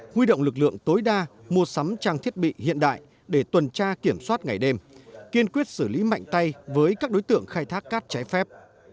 huy động lực lượng tối đa mua sắm trang thiết bị hiện đại để tuần tra kiểm soát ngày đêm kiên quyết xử lý mạnh tay với các đối tượng khai thác cát trái phép